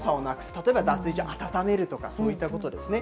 例えば、脱衣所あたためるとか、そういったことですね。